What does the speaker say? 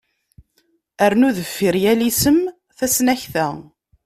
Rnu deffir n yal isem tasnakta.